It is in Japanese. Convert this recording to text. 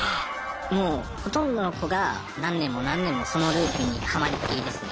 もうほとんどの子が何年も何年もそのループにハマりっきりですね。